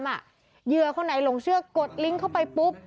เหยื่อคนไหนหลงเชื่อกดลิงก์เข้าไปปุ๊บ